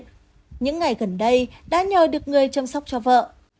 những ngày gần đây đã nhờ được người chăm sóc cho vợ